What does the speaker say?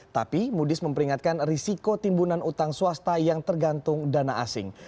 tapi mudis memperingatkan risiko timbunan utang swasta yang tergantung dana asing